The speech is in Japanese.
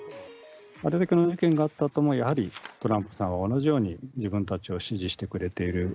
あれだけの事件があったあとも、やはりトランプさんは同じように自分たちを支持してくれている。